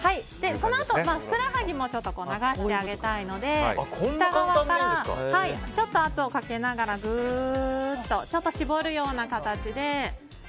そのあと、ふくらはぎも流してあげたいので下側から、ちょっと圧をかけつつぐっと絞るような形で。